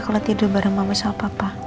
boleh tidur bareng mama sama papa